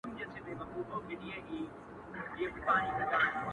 دا زړه نــه لــــــري يـــــــارانـــــــــو ـ